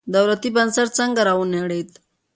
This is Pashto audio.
دولتي بنسټ څنګه راونړېد.